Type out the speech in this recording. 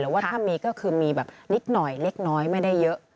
ว่าถ้ามีก็คือมีแบบนิดหน่อยเล็กน้อยไม่ได้เยอะ